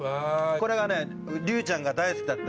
これが上島さんが大好きだった。